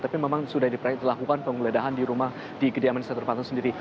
tapi memang sudah dilakukan penggeledahan di rumah di kediaman setia novanto sendiri